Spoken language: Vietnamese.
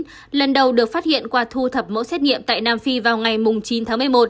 b một một năm trăm hai mươi chín lần đầu được phát hiện qua thu thập mẫu xét nghiệm tại nam phi vào ngày chín tháng một mươi một